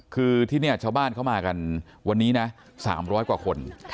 คือที่นี่ชาวบ้านเขามากันวันนี้นะ๓๐๐กว่าคน